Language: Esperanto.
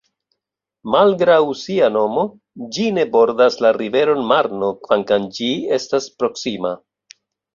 Malgraŭ sia nomo, ĝi ne bordas la riveron Marno, kvankam ĝi estas proksima.